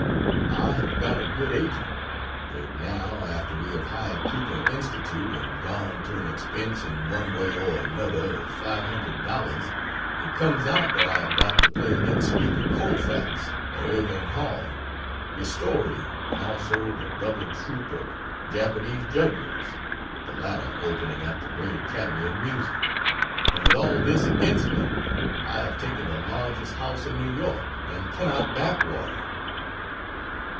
I have got a good agent but now after we have hired Cooper Institute and gone to an expense in one way or another of $500, it comes out that I have got to play against Speaker Colfax at Irving Hall, Ristori, and also the double troupe of Japanese jugglers, the latter opening at the great Academy of Music and with all this against me I have taken the largest house in New York and cannot back water.